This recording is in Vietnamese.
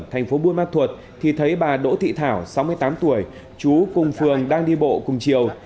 thành phố buôn ma thuột thì thấy bà đỗ thị thảo sáu mươi tám tuổi chú cùng phường đang đi bộ cùng chiều